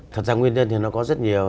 thật ra nguyên nhân thì nó có rất nhiều